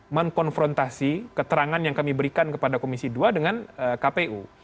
mengkonfrontasi keterangan yang kami berikan kepada komisi dua dengan kpu